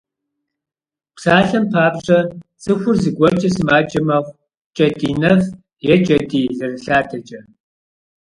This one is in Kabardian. Псалъэм папщӏэ, цӏыхур зыгуэркӏэ сымаджэ мэхъу: кӏэтӏий нэф е кӏэтӏий зэрылъадэкӏэ.